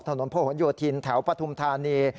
ถนนโผนโยทินแถวปฐุมธานี